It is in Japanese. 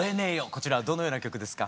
こちらどのような曲ですか？